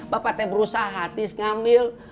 bapak t berusaha tis ngambil